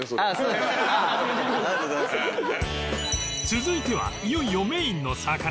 続いてはいよいよメインの魚。